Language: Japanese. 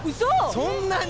・そんなに？